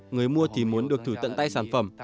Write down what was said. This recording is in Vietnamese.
người mua thì muốn được thử tận tay sản phẩm